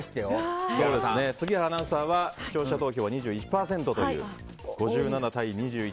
杉原アナウンサーは視聴者投票２１％という５７対２１。